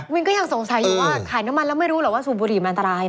ก็ยังสงสัยอยู่ว่าขายน้ำมันแล้วไม่รู้เหรอว่าสูบบุหรี่มันอันตราย